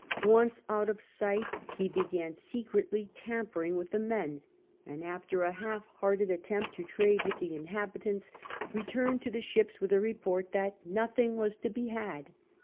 Once out of sight, he began secretly tampering with the men, and after a half hearted attempt to trade with the inhabitants returned to the ships with a report that nothing was to be had.